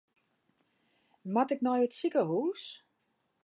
Moat ik nei it sikehûs?